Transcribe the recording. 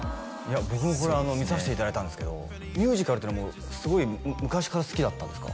僕も見さしていただいたんですがミュージカルってのはもうすごい昔から好きだったんですか？